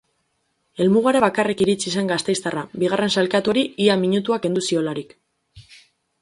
Helmugara bakarrik iritsi zen gasteiztarra, bigarren sailkatuari ia minutua kendu ziolarik.